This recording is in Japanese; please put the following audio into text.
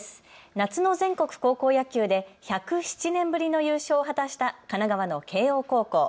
夏の全国高校野球で１０７年ぶりの優勝を果たした神奈川の慶応高校。